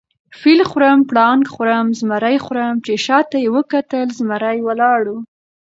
فیل خورم، پړانګ خورم، زمرى خورم . چې شاته یې وکتل زمرى ولاړ وو